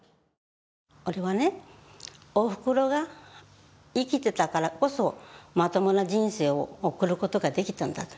俺はね、おふくろが生きていたからこそまともな人生を送ることができたんだと。